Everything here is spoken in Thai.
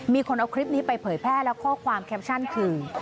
มีคนเอาคลิปนี้ไปเผยแพร่และข้อความแคปชั่นคือ